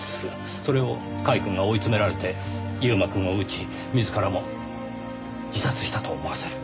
それを甲斐くんが追い詰められて悠馬くんを撃ち自らも自殺したと思わせる。